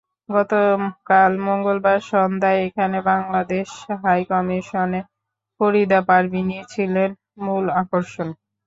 গতকাল মঙ্গলবার সন্ধ্যায় এখানে বাংলাদেশ হাইকমিশনে ফরিদা পারভীনই ছিলেন মূল আকর্ষণ।